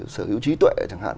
sở hữu trí tuệ chẳng hạn